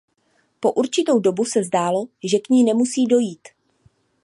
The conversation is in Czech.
Po určitou dobu se zdálo, že k ní nemusí dojít.